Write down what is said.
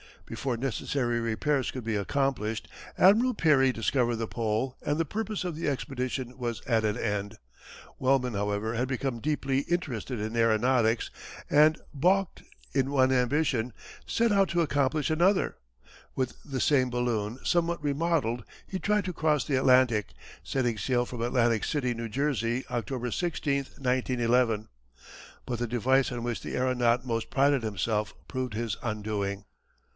Before necessary repairs could be accomplished Admiral Peary discovered the Pole and the purpose of the expedition was at an end. Wellman, however, had become deeply interested in aeronautics and, balked in one ambition, set out to accomplish another. With the same balloon somewhat remodelled he tried to cross the Atlantic, setting sail from Atlantic City, N. J., October 16, 1911. But the device on which the aeronaut most prided himself proved his undoing.